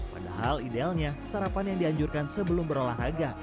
padahal idealnya sarapan yang dianjurkan sebelum berolahraga